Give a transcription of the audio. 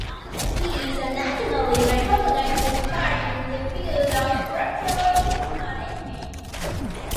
He is a nationally recognized expert in the field of structural pest management.